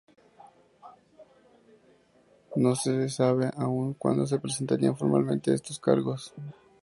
No se sabe aún cuando se presentarían formalmente estos cargos.